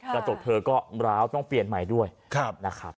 กระจกเธอก็ร้าวต้องเปลี่ยนใหม่ด้วยนะครับ